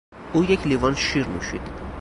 او یک لیوان شیر نوشید.